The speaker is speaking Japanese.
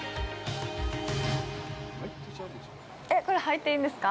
えっ、これ、入っていいんですか？